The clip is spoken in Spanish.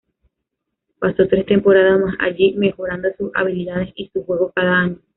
Pasó tres temporadas más allí, mejorando sus habilidades y su juego cada año.